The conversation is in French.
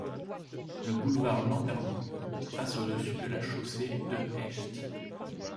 Le boulevard Lambermont passe au-dessus de la chaussée de Haecht.